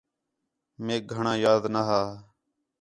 میک گھݨاں یاد نا ہا